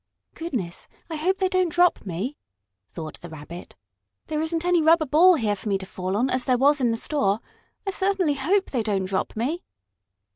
"Goodness! I hope they don't drop me," thought the Rabbit. "There isn't any rubber ball here for me to fall on, as there was in the store. I certainly hope they don't drop me!"